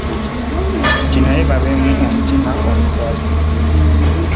Nti naye babeemu omutima omusaasizi